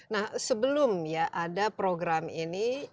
nah sebelum ya ada program ini